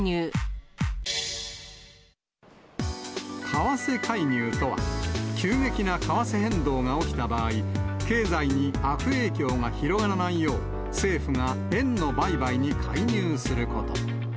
為替介入とは、急激な為替変動が起きた場合、経済に悪影響が広がらないよう、政府が円の売買に介入すること。